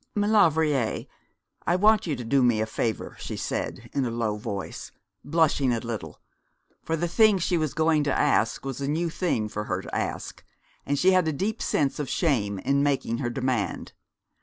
'Maulevrier, I want you to do me a favour,' she said, in a low voice, blushing a little, for the thing she was going to ask was a new thing for her to ask, and she had a deep sense of shame in making her demand.